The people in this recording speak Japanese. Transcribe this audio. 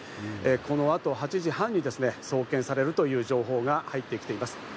この後、８時半に送検されるという情報が入ってきています。